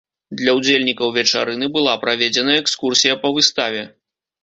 Для ўдзельнікаў вечарыны была праведзена экскурсія па выставе.